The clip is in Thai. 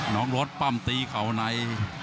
น้องโรสปั้มตีเขาใน